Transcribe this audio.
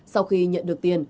sau khi nhận được tiền